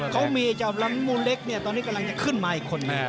เขามีเจ้าลำมูลเล็กเนี่ยตอนนี้กำลังจะขึ้นมาอีกคนนึง